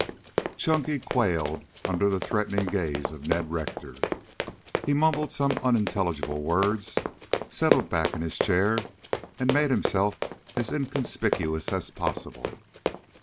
Chunky quailed under the threatening gaze of Ned Rector. He mumbled some unintelligible words, settled back in his chair and made himself as inconspicuous as possible.